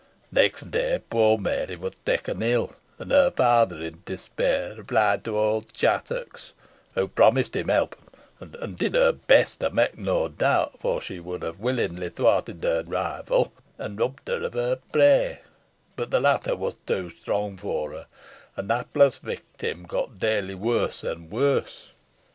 The next day poor Mary was taken ill, and her father, in despair, applied to old Chattox, who promised him help, and did her best, I make no doubt for she would have willingly thwarted her rival, and robbed her of her prey; but the latter was too strong for her, and the hapless victim got daily worse and worse.